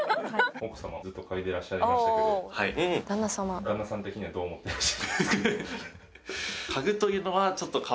奥様ずっと嗅いでらっしゃいましたけど旦那さん的にはどう思ってました？